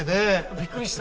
びっくりした。